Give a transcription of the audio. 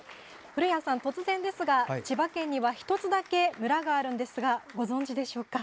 古谷さん、突然ですが千葉県には１つだけ村があるんですがご存じですか？